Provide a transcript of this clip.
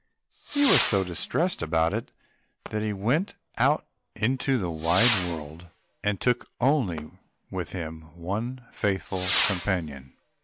He was so distressed about it, that he went out into the wide world and only took with him one faithful companion.